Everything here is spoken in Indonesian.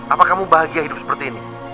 apa kamu bahagia hidup seperti ini